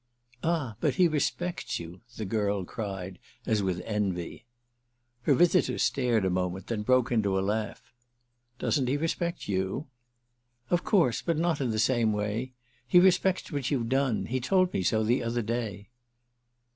"Ah but he respects you!" the girl cried as with envy. Her visitor stared a moment, then broke into a laugh. "Doesn't he respect you?" "Of course, but not in the same way. He respects what you've done—he told me so, the other day."